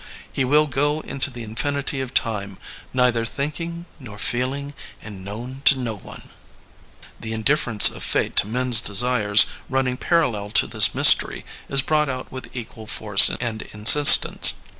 He will go into the infinity of time, neither thinking nor feeling and known to no one/' The indifference of fate to men's desires running parallel to this mystery is brought out with equal force and insistence.